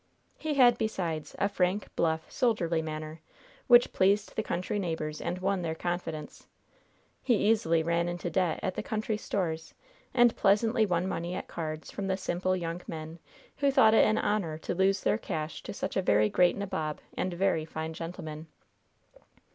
He had, besides, a frank, bluff, soldierly manner, which pleased the country neighbors and won their confidence. He easily ran into debt at the country stores and pleasantly won money at cards from the simple, young men who thought it an honor to lose their cash to such a very great nabob and very fine gentleman.